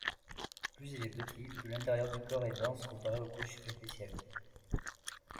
Plus il est petit, plus l'intérieur du corps est dense comparé aux couches superficielles.